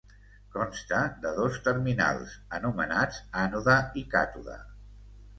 Consta de dos terminals, anomenats ànode i càtode.